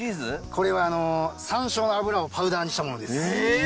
これは山椒の油をパウダーにしたものです。